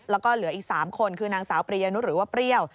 แล้วก็เหลืออีก๓คนคือนางสาวปริยนุษย์หรือว่าเปรี้ยว